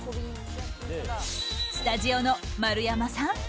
スタジオの丸山さん！